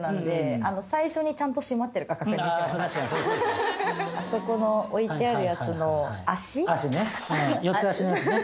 確かにあそこの置いてあるやつの脚脚ね四つ脚のやつね